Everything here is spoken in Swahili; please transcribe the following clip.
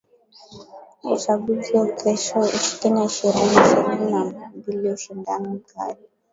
Uchaguzi wa Kenya ishirini ishirini na mbili ushindani mkali